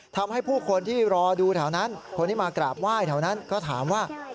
ทำให้ผู้คนที่รอดูแถวนั้นคนที่มากราบไหว้แถวนั้นก็ถามว่า